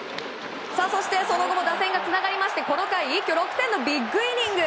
そして、その後も打線がつながりましてこの回一挙６点のビッグイニング。